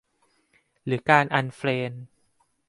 หรือการอันเฟรนด์